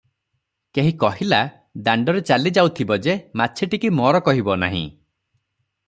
କେହି କହିଲା – ଦାଣ୍ଡରେ ଚାଲି ଯାଉଥିବ ଯେ ମାଛିଟିକି ମର କହିବ ନାହିଁ।